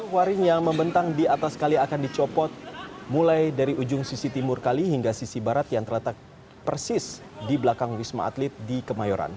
waring yang membentang di atas kali akan dicopot mulai dari ujung sisi timur kali hingga sisi barat yang terletak persis di belakang wisma atlet di kemayoran